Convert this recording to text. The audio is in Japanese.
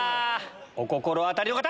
お心当たりの方！